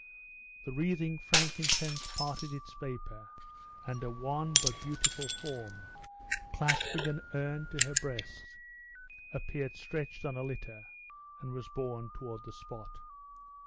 The wreathing frankincense parted its vapor, and a wan but beautiful form, clasping an urn to her breast, appeared stretched on a litter, and was borne toward the spot.